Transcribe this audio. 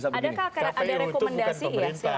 ada rekomendasi ya